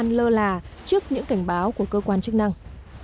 nên lơ là trước những cảnh báo của cơ quan chức năng